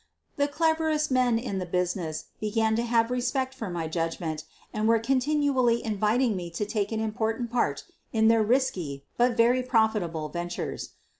The cleverest men in the business began to have respect for my judgment and were con tinually inviting me to take an important part in their risky but very profitable ventures.